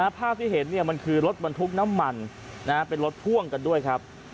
ภาพที่เห็นมันคือรถบรรทุกน้ำมันเป็นรถพ่วงกันด้วยครับ